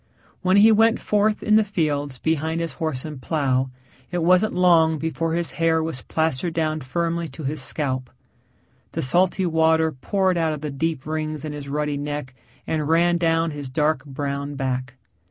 When he went forth in the fields behind his horse and plow, it wasn't long before his hair was plastered down firmly to his scalp. The salty water poured out of the deep rings in his ruddy neck and ran down his dark brown back.